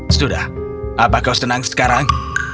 sudah apa kau senang sekarang